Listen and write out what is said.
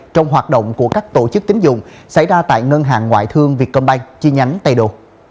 trong hoạt động của các tổ chức tín dụng xảy ra tại ngân hàng ngoại thương việt công banh chi nhánh tây độ